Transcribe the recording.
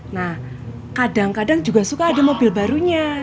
nah kadang kadang juga suka ada mobil barunya